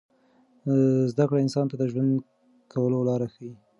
زده کړه انسان ته د ژوند کولو لار ښیي.